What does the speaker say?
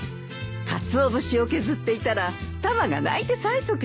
かつお節を削っていたらタマが鳴いて催促します。